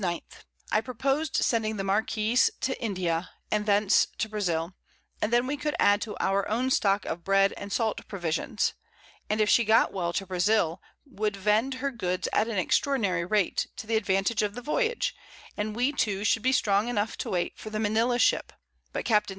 _ I propos'd sending the Marquiss to India, and thence to Brazil; and then we could add to our own Stock of Bread and salt Provisions, and if she got well to Brazil, would vend her Goods at an extraordinary Rate, to the Advantage of the Voyage, and we two should be strong enough to wait for the Manila Ship, but Capts.